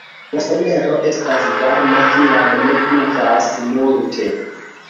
La somero estas varma, tiam ne pluvas multe.